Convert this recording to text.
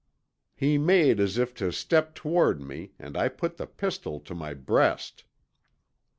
"He made as if to step toward me and I put the pistol to my breast.